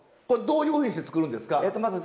これどういうふうにして作るんですか？